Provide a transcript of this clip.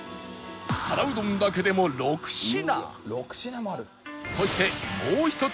皿うどんだけでも６品